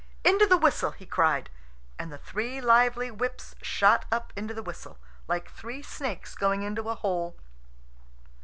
"Into the whistle!" he cried; and the three lively whips shot up into the whistle, like three snakes going into a hole.